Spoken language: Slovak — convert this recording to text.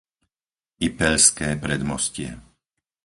Ipeľské Predmostie